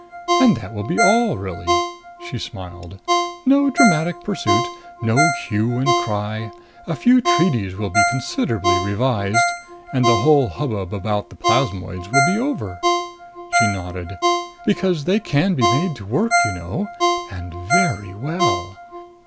And that will be all, really." She smiled. "No dramatic pursuit! No hue and cry! A few treaties will be considerably revised. And the whole hubbub about the plasmoids will be over." She nodded. "Because they can be made to work, you know. And very well!"